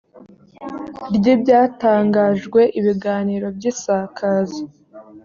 ry ibyatangajwe ibiganiro by isakaza